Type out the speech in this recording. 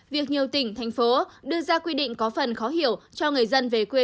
việc nhiều tỉnh thành phố đưa ra quy định có phần khó hiểu cho người dân về quê